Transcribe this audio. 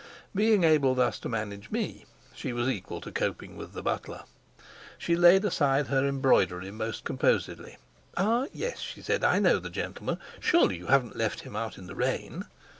Being able thus to manage me, she was equal to coping with the butler. She laid aside her embroidery most composedly. "Ah, yes," she said, "I know the gentleman. Surely you haven't left him out in the rain?"